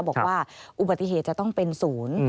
บอกว่าอุบัติเหตุจะต้องเป็นศูนย์